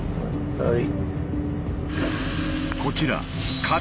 はい。